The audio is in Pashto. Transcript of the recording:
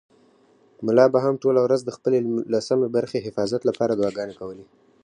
ملا به هم ټوله ورځ د خپلې لسمې برخې حفاظت لپاره دعاګانې کولې.